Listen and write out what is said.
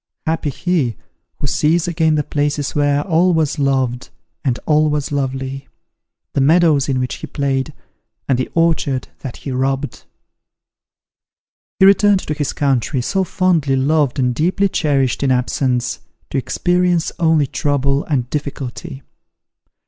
Happy he, who sees again the places where all was loved, and all was lovely! the meadows in which he played, and the orchard that he robbed!" He returned to this country, so fondly loved and deeply cherished in absence, to experience only trouble and difficulty.